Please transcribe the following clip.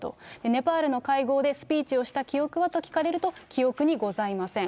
ネパールの会合でスピーチをした記憶はと聞かれると、記憶にございません。